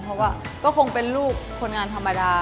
เพราะว่าก็คงเป็นลูกคนงานธรรมดา